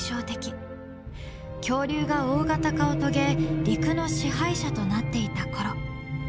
恐竜が大型化を遂げ陸の支配者となっていた頃。